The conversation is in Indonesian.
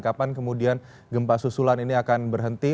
kapan kemudian gempa susulan ini akan berhenti